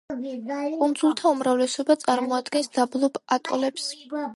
კუნძულთა უმრავლესობა წარმოადგენს დაბლობ ატოლებს.